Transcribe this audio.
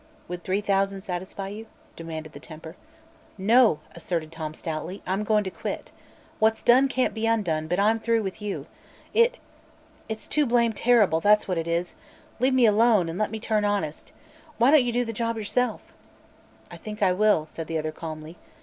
"Would three thousand satisfy you?" demanded the tempter. "No," asserted Tom stoutly; "I'm goin' to quit. What's done can't be undone, but I'm through with you. It it's too blamed terrible, that's what it is! Leave me alone an' let me turn honest. Why don't you do the job yourself?" "I think I will," said the other calmly.